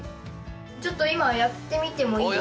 ちょっと今やってみてもいいですか？